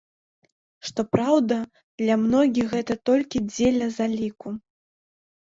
Што праўда, для многіх гэта толькі дзеля заліку.